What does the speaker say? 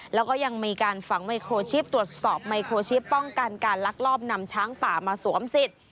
แล้วก็ยังมีการฝังไมโครชีพตรวจสอบไมโครชิปป้องกันการลักลอบนำช้างป่ามาสวมสิทธิ์